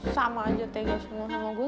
sama aja tega semua sama gue